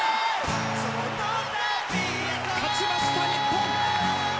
勝ちました日本。